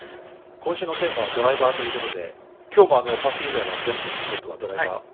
今週のテーマはドライバーということで今日もパー３以外は全部ティーショットはドライバー。